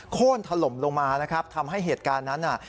โค้นถล่มลงมาทำให้เหตุการณ์นั้น